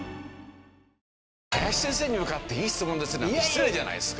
林先生に向かって「いい質問ですね」なんて失礼じゃないですか。